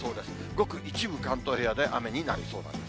ごく一部、関東平野で雨になりそうなんです。